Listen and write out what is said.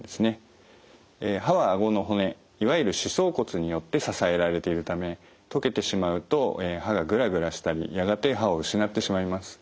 歯はあごの骨いわゆる歯槽骨によって支えられているため溶けてしまうと歯がグラグラしたりやがて歯を失ってしまいます。